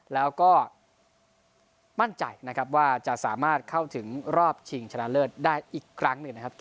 แล้วก็มั่นใจนะครับว่าจะสามารถเข้าถึงรอบชิงชนะเลิศได้อีกครั้งหนึ่งนะครับ